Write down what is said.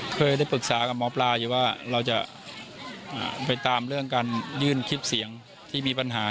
เคยได้ปรึกษากับหมอปลาอยู่ว่าเราจะไปตามเรื่องการยื่นคลิปเสียงที่มีปัญหา